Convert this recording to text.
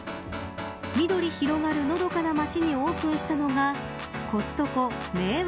緑広がるのどかな町にオープンしたのがコストコ明和